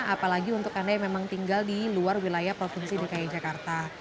apalagi untuk anda yang memang tinggal di luar wilayah provinsi dki jakarta